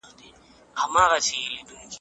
په پای کې له ټولو لوستونکو څخه مننه کوم.